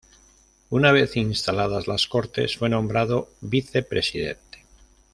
Una vez instaladas las Cortes, fue nombrado vicepresidente.